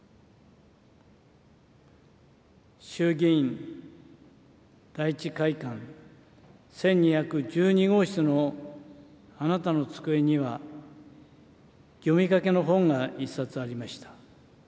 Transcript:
衆議院第一会館、１２１２号室のあなたの机には、読みかけの本が一冊ありました。